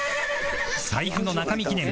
財布の中身記念